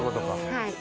はい。